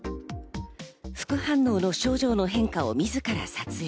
副反応の症状の変化をみずから撮影。